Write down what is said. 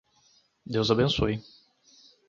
Deus abençoe